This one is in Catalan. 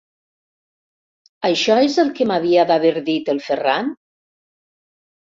Això és el que m'havia d'haver dit el Ferran?